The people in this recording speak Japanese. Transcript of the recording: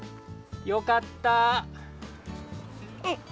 よかった。